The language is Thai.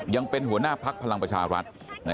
ยังเป็นหัวหน้าพักพลังประชารัฐ